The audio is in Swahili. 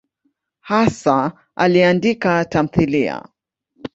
Hasa aliandika tamthiliya.